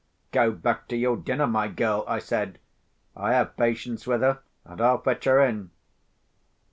"Go back to your dinner, my girl," I said. "I have patience with her, and I'll fetch her in."